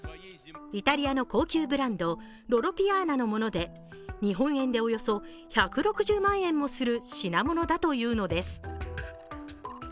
イタリアの高級ブランドロロ・ピアーナのもので日本円でおよそ１６０万円もする品物だというのです。